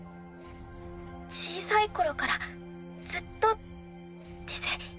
小さい頃からずっとです。